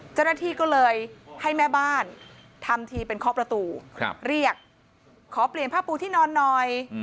เจ้าหน้าที่ก็เลยให้แม่บ้านทำทีเป็นเคาะประตูเรียกขอเปลี่ยนผ้าปูที่นอนหน่อย